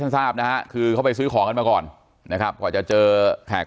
ทราบนะฮะคือเขาไปซื้อของกันมาก่อนนะครับกว่าจะเจอแขก